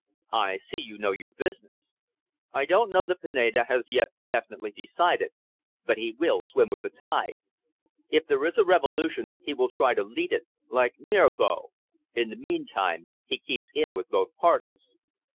"I see you know your business. I don't know that Pineda has yet definitely decided, but he will swim with the tide. If there is a revolution he will try to lead it, like Mirabeau. In the meantime, he keeps in with both parties."